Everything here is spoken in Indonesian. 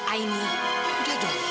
aini udah dong